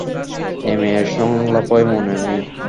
এই মেয়ের সংলাপই মনে নেই!